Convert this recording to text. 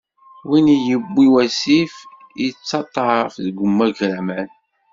Win yiwwi wasif, ittaṭṭaf deg umagraman.